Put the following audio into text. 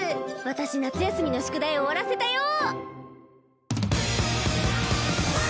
私夏休みの宿題終わらせたよ